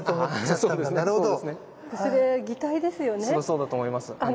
そうだと思います。